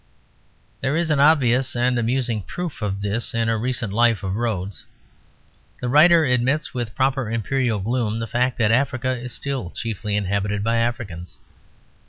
There is an obvious and amusing proof of this in a recent life of Rhodes. The writer admits with proper Imperial gloom the fact that Africa is still chiefly inhabited by Africans.